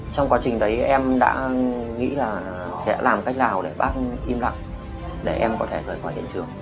trong quá trình đấy em đã nghĩ là sẽ làm cách nào để bác im lặng để em có thể rời khỏi hiện trường